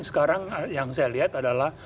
sekarang yang saya lihat adalah